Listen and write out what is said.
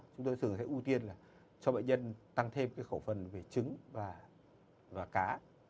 chúng tôi thường sẽ ưu tiên là cho bệnh nhân tăng thêm khẩu phần về trứng và cá